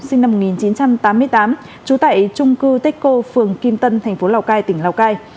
sinh năm một nghìn chín trăm tám mươi tám trú tại trung cư techco phường kim tân thành phố lào cai tỉnh lào cai